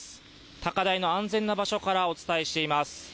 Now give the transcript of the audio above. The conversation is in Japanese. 高台の安全な場所からお伝えしています。